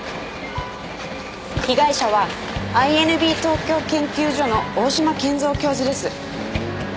被害者はＩＮＢ東京研究所の大島健蔵教授です。